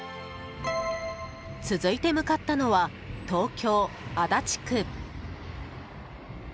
続いて向かったのは東京・足立区。